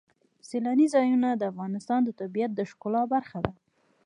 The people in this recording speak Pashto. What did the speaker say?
سیلانی ځایونه د افغانستان د طبیعت د ښکلا برخه ده.